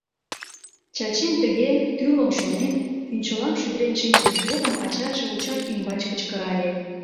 Чачин тыге, тӱрлым шонен, кӱнчылам шӱдырен шинчымыж годым ачаже очак ӱмбач кычкырале: